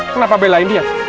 kenapa belain dia